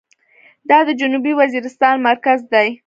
دا د جنوبي وزيرستان مرکز دى.